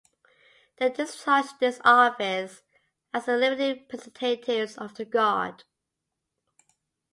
They discharged this office as the living representatives of the god.